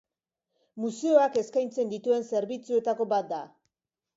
Museoak eskaintzen dituen zerbitzuetako bat da.